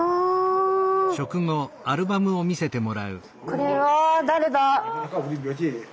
これは誰だ？